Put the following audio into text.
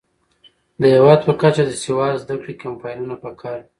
د هیواد په کچه د سواد زده کړې کمپاینونه پکار دي.